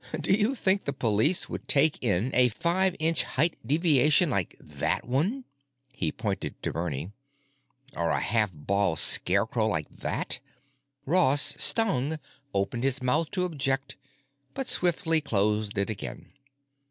Do you think the police would take in a five inch height deviation like that one——" he pointed to Bernie——"or a half bald scarecrow like that?" Ross, stung, opened his mouth to object; but swiftly closed it again.